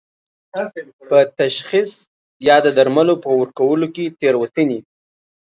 په تشخیص یا د درملو په ورکولو کې تېروتنې